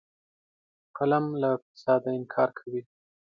قلم له فساده انکار کوي